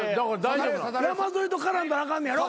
山添と絡んだらあかんのやろ？